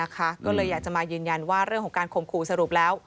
ก็เลยอยากจะมายืนยันว่าเรื่องของการข่มขู่สรุปแล้ว